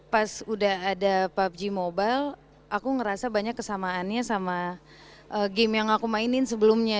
pas udah ada pubg mobile aku ngerasa banyak kesamaannya sama game yang aku mainin sebelumnya